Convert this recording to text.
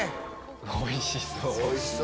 おいしそう！